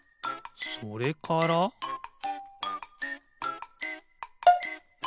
それからピッ！